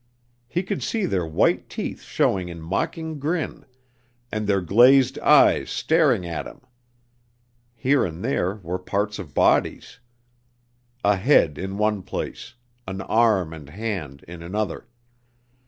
He could see their white teeth showing in mocking grin and their glazed eyes staring at him! Here and there were parts of bodies: a head in one place, an arm and hand in another!